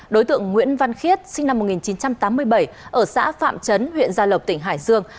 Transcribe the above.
đối tượng nguyễn văn khiết sinh năm một nghìn chín trăm tám mươi bảy ở xã phạm trấn huyện gia lộc tỉnh hải dương